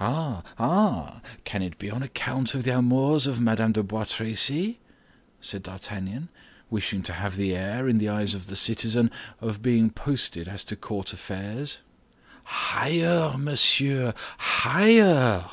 "Ah, ah! Can it be on account of the amours of Madame de Bois Tracy?" said D'Artagnan, wishing to have the air, in the eyes of the citizen, of being posted as to court affairs. "Higher, monsieur, higher."